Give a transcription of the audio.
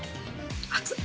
熱っ！